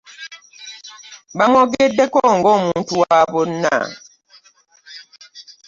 Baamwogeddeko ng'omuntu wa bonna.